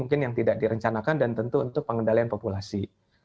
mungkin yang tidak direncanakan dan tentu untuk pengendalian populasi